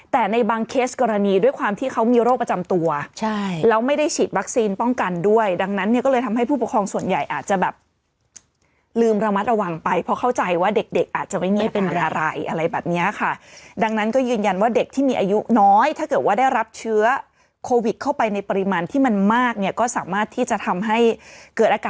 แต่ในบางเคสกรณีด้วยความที่เขามีโรคประจำตัวใช่แล้วไม่ได้ฉีดวัคซีนป้องกันด้วยดังนั้นเนี่ยก็เลยทำให้ผู้ปกครองส่วนใหญ่อาจจะแบบลืมระมัดระวังไปเพราะเข้าใจว่าเด็กเด็กอาจจะไม่มีเป็นอะไรอะไรแบบนี้ค่ะดังนั้นก็ยืนยันว่าเด็กที่มีอายุน้อยถ้าเกิดว่าได้รับเชื้อโควิดเข้าไปในปริมาณที่มันมากเนี่ยก็สามารถที่จะทำให้เกิดอาก